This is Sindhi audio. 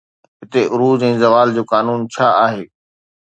هتي عروج ۽ زوال جو قانون ڇا آهي؟